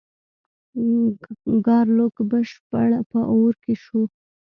ګارلوک بشپړ په اور کې شو.